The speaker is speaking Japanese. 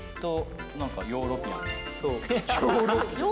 ヨーロピアン？